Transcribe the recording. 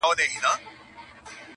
ویل تم سه چي بېړۍ دي را رسیږي؛